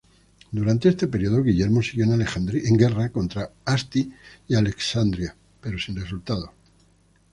Durante este periodo, Guillermo siguió en guerra contra Asti y Alessandria, pero sin resultados.